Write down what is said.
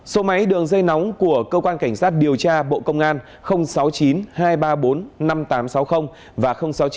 số máy đường dây nóng của cơ quan cảnh sát điều tra bộ công an sáu mươi chín hai trăm ba mươi bốn năm nghìn tám trăm sáu mươi và sáu mươi chín hai trăm ba mươi một một nghìn sáu trăm bảy